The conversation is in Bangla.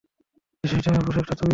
বিয়েটা, পোষাকটা, তুমি।